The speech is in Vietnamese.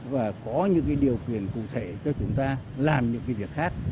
và có những điều kiện cụ thể cho chúng ta làm những việc khác